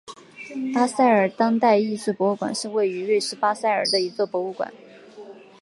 巴塞尔当代艺术博物馆是位于瑞士巴塞尔的一座博物馆。